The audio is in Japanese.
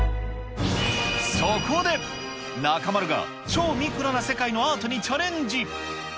そこで、中丸が超ミクロな世界のアートにチャレンジ。